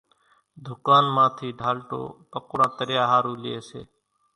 ڌُڪان مان ٿي ڍالٽو پڪوڙان تريا ۿارُو لئي سي